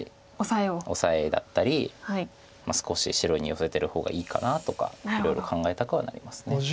オサエだったり少し白に寄せてる方がいいかなとかいろいろ考えたくはなります。